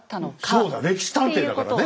そうだ「歴史探偵」だからね。